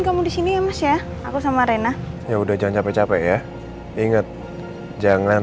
kamu di sini emas ya aku sama reina ya udah jangan capek capek ya inget jangan